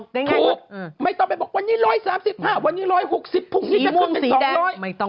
ถูกไม่ต้องไปบอกวันนี้๑๓๕วันนี้๑๖๐พรุ่งนี้จะพูดเป็น๒๐๐